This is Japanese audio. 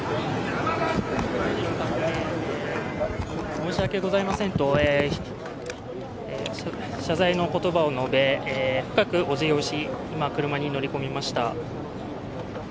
申し訳ございませんと謝罪の言葉を述べ、深くおじぎをし、今、車に乗り込みました。